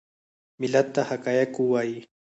ملت ته حقایق ووایي .